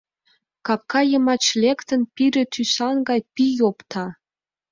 Капка йымач лектын, пире тӱсан гай пий опта.